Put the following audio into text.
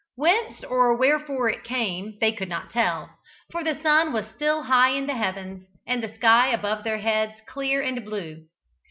Whence or wherefore it came they could not tell, for the sun was still high in the heavens and the sky above their heads clear and blue.